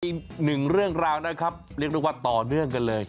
อีกหนึ่งเรื่องราวนะครับเรียกได้ว่าต่อเนื่องกันเลย